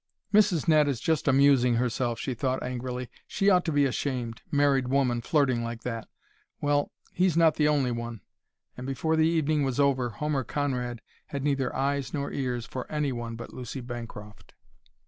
"Mrs. Ned is just amusing herself," she thought angrily. "She ought to be ashamed married woman flirting like that! Well he's not the only one!" And before the evening was over Homer Conrad had neither eyes nor ears for any one but Lucy Bancroft.